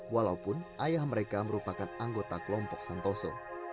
walaupun ayah mereka merupakan anggota kelompok santoso